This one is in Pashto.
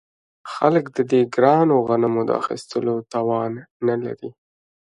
خلک د دې ګرانو غنمو د اخیستلو توان نلري